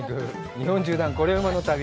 日本縦断コレうまの旅」。